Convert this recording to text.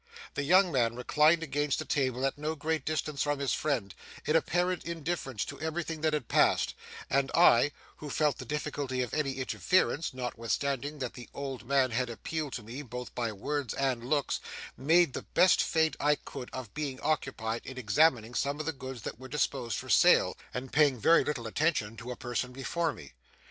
The young man reclined against a table at no great distance from his friend, in apparent indifference to everything that had passed; and I who felt the difficulty of any interference, notwithstanding that the old man had appealed to me, both by words and looks made the best feint I could of being occupied in examining some of the goods that were disposed for sale, and paying very little attention to a person before me.